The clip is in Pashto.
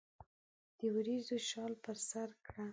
د وریځو شال پر سرکړه